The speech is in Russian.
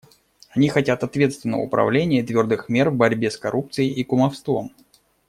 Они хотят ответственного управления и твердых мер в борьбе с коррупцией и кумовством.